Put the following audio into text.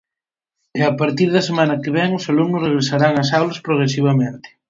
E a partir da semana que vén os alumnos regresarán ás aulas progresivamente.